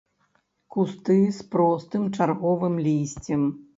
Кусты з простым чарговым лісцем.